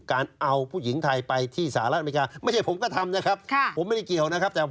การเอาผู้หญิงไทยไปที่สหรัฐอเมริกา